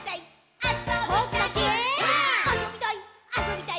あそびたい！」